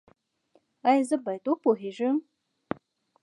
ایا زه باید وپوهیږم؟